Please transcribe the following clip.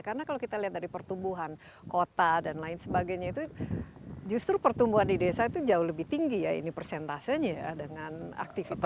karena kalau kita lihat dari pertumbuhan kota dan lain sebagainya itu justru pertumbuhan di desa itu jauh lebih tinggi ya ini persentasenya dengan aktivitasnya